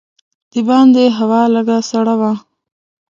د باندې هوا لږه سړه وه.